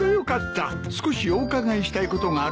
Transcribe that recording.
少しお伺いしたいことがあるんですが。